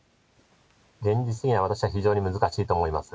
現実には私は非常に難しいと思います。